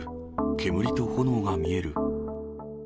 煙と炎が見える。